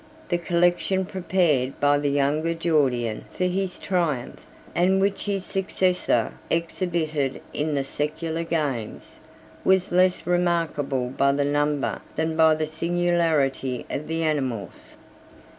86 The collection prepared by the younger Gordian for his triumph, and which his successor exhibited in the secular games, was less remarkable by the number than by the singularity of the animals.